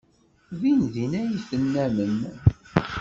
Dindin ad t-tennammem.